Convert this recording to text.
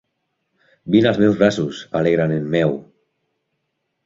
Vine als meus braços, alegre nen meu!